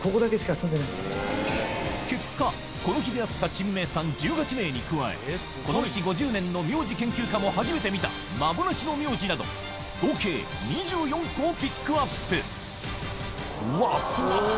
結果この日出会った珍名さん１８名に加えこの道５０年の名字研究家も初めて見た幻の名字など合計２４個をピックアップうわ。